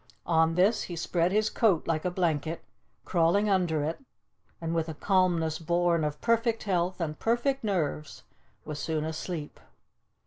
On this he spread his coat like a blanket, crawling under it, and, with a calmness born of perfect health and perfect nerves, was soon asleep.